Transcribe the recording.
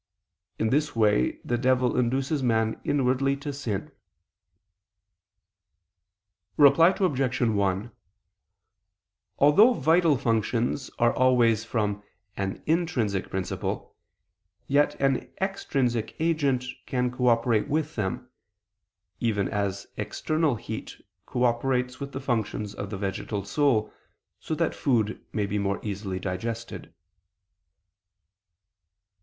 In this way the devil induces man inwardly to sin. Reply Obj. 1: Although vital functions are always from an intrinsic principle, yet an extrinsic agent can cooperate with them, even as external heat cooperates with the functions of the vegetal soul, that food may be more easily digested.